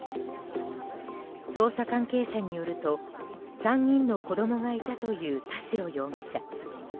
捜査関係者によると３人の子供がいたという田代容疑者。